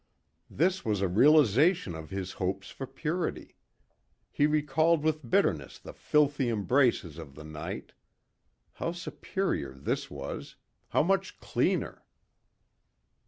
This was a realization of his hopes for purity. He recalled with bitterness the filthy embraces of the night. How superior this was, how much cleaner.